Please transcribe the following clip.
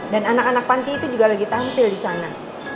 dan anak anak panti itu juga lagi tampil disana